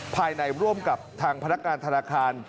ภายในร่วมกับทางพนักงานธนาคาร